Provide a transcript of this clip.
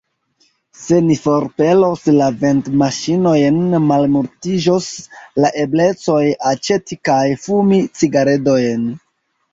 Se ni forpelos la vendmaŝinojn, malmultiĝos la eblecoj aĉeti kaj fumi cigaredojn.